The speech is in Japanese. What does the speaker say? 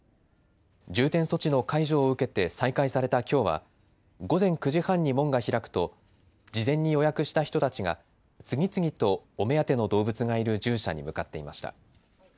重点措置の解除を受けて再開されたきょうは午前９時半に門が開くと事前に予約した人たちが次々とお目当ての動物がいる獣舎に向かっていました。